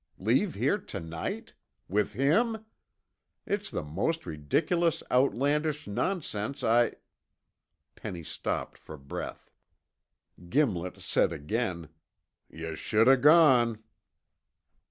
Leave here tonight! With him! It's the most ridiculous outlandish nonsense I " Penny stopped for breath. Gimlet said again, "Yuh should o' gone."